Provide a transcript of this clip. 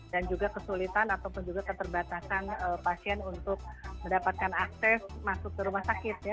dan juga kesulitan atau juga keterbatasan pasien untuk mendapatkan akses masuk ke rumah sakit